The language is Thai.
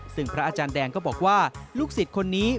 ซึ่งพระอาจารย์แดงก็บอกว่าลูกศิษย์คนนี้